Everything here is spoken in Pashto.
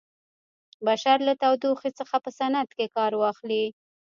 بشر له تودوخې څخه په صنعت کې کار واخلي.